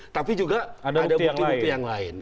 tapi juga ada bukti bukti yang lain